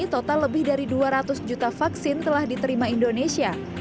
total lebih dari dua ratus juta vaksin telah diterima indonesia